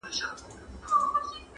• پر دښمن باندي تاختونه -